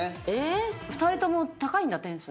２人とも高いんだ点数。